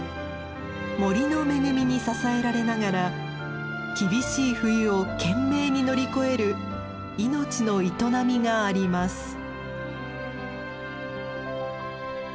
森の恵みに支えられながら厳しい冬を懸命に乗り越える命の営みがあります。